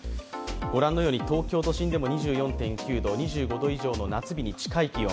ご覧のように東京都心でも２４．９度、２５度以上の夏日に近い気温。